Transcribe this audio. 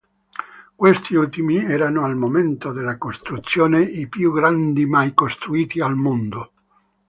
Questi ultimi erano, al momento della costruzione, i più grandi mai costruiti al mondo.